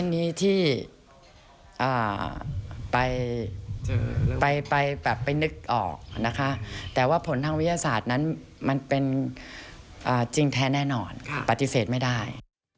วิทยาศาสตร์นั้นมันเป็นจริงแท้แน่นอนปฏิเสธไม่ได้